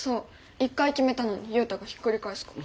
一回決めたのにユウタがひっくり返すから。